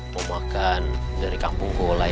mau makan dari kampung kulai